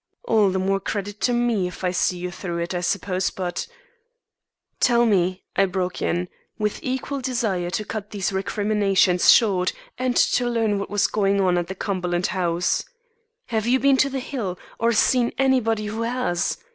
All the more credit to me if I see you through it, I suppose; but " "Tell me," I broke in, with equal desire to cut these recriminations short and to learn what was going on at the Cumberland house, "have you been to the Hill or seen anybody who has?